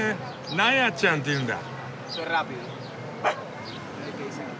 ナヤちゃんって言うんだ。